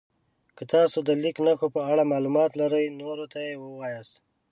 که تاسو د لیک نښو په اړه معلومات لرئ نورو ته یې ووایاست.